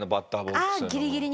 ああギリギリに。